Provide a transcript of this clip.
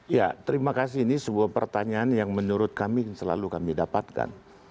ya terima kasih ini sebuah pertanyaan yang menurut kami selalu kami dapatkan